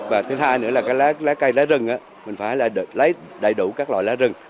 và thứ hai nữa là cái lá cây lá rừng mình phải là lấy đầy đủ các loại lá rừng